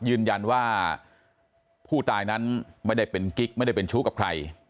ยืนยันว่าผู้ตายนั้นไม่ได้เป็นกิ๊กไม่ได้เป็นชู้กับใคร